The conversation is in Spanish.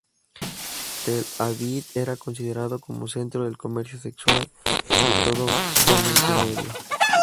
Tel Aviv era considerado como centro del comercio sexual de todo Oriente Medio.